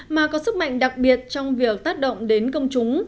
mà có sức mạnh đặc biệt trong việc tác động đến công chúng